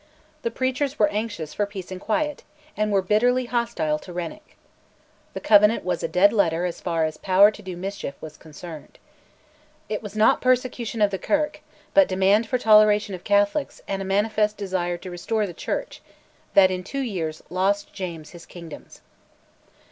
The preachers were anxious for peace and quiet, and were bitterly hostile to Renwick. The Covenant was a dead letter as far as power to do mischief was concerned. It was not persecution of the Kirk, but demand for toleration of Catholics and a manifest desire to restore the Church, that in two years lost James his kingdoms.